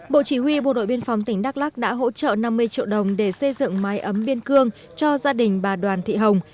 bộ chỉ huy bộ đội biên phòng tỉnh đắk lắc đã hỗ trợ năm mươi triệu đồng để xây dựng mái ấm biên cương cho gia đình bà đoàn thị hồng